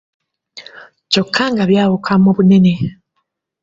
Kyokka nga byawuka mu bunene.